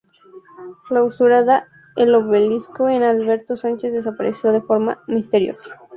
Clausurada, el obelisco de Alberto Sánchez desapareció de forma misteriosa.